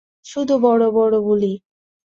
শুধু বড় বড় বুলি।